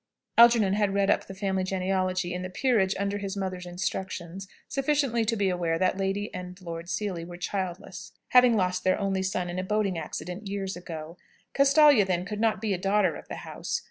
Algernon had read up the family genealogy in the "Peerage," under his mother's instructions, sufficiently to be aware that Lord and Lady Seely were childless, having lost their only son in a boating accident years ago. "Castalia," then, could not be a daughter of the house.